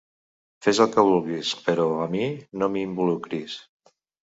Fes el que vulguis, però, a mi, no m'hi involucris.